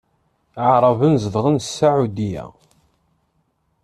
Aɛṛaben zedɣen Saɛudya.